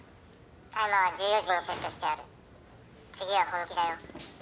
タイマーは１４時にセットしてある次は本気だよ。